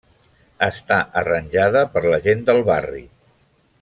Està arranjada per la gent del barri.